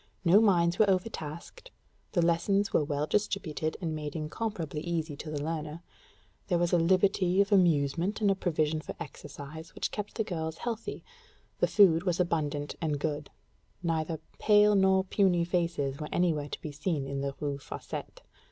No minds were overtasked; the lessons were well distributed and made incomparably easy to the learner; there was a liberty of amusement and a provision for exercise which kept the girls healthy; the food was abundant and good: neither pale nor puny faces were anywhere to be seen in the Rue Fossette.